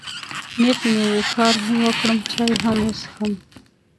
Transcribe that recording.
نیت مې و، کار هم وکړم، چای هم وڅښم.